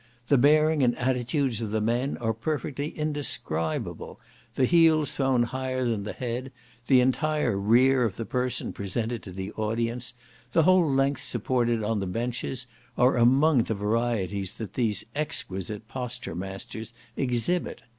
The bearing and attitudes of the men are perfectly indescribable; the heels thrown higher than the head, the entire rear of the person presented to the audience, the whole length supported on the benches, are among the varieties that these exquisite posture masters exhibit.